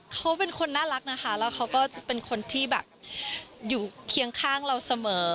เขาเป็นคนน่ารักนะคะแล้วเขาก็จะเป็นคนที่แบบอยู่เคียงข้างเราเสมอ